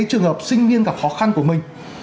trường hợp sinh viên gặp khó khăn của mình